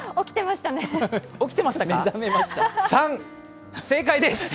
起きてましたね。